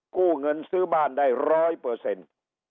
กู้เงินซื้อบ้านได้ร้อยเปอร์เซ็นต์